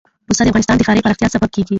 پسه د افغانستان د ښاري پراختیا سبب کېږي.